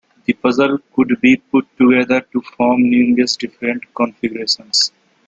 The puzzle could be put together to form numerous different configurations.